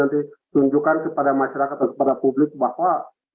nanti tunjukkan kepada masyarakat atau kepada publik bahwa